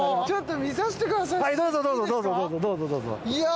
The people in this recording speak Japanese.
ちょっと見させてください。